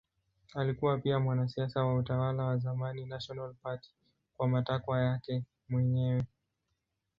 Alikuwa pia mwanasiasa wa utawala wa zamani National Party kwa matakwa yake mwenyewe.